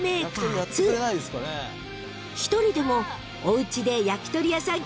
［１人でもおうちで焼き鳥屋さん